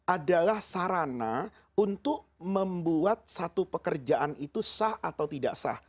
adalah sarana untuk membuat satu pekerjaan itu sah atau tidak sah